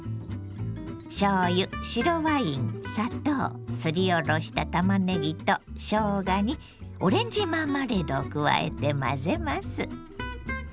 しょうゆ白ワイン砂糖すりおろしたたまねぎとしょうがにオレンジマーマレードを加えて混ぜます。